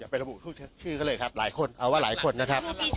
ไประบุชื่อเขาเลยครับหลายคนเอาว่าหลายคนนะครับ